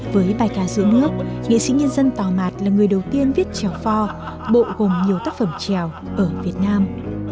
với bài ca giữ nước nghệ sĩ nhân dân tào mạt là người đầu tiên viết trèo pho bộ gồm nhiều tác phẩm trèo ở việt nam